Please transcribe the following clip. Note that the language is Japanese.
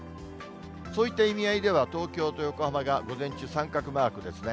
そういった意味合いでは、東京と横浜が午前中、三角マークですね。